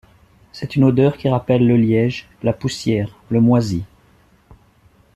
C'est une odeur qui rappelle le liège, la poussière, le moisi.